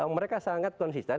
mereka sangat konsisten